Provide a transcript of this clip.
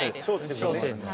『笑点』のね。